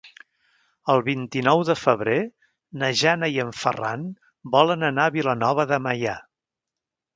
El vint-i-nou de febrer na Jana i en Ferran volen anar a Vilanova de Meià.